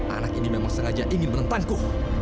anak ini memang sengaja ingin menentangku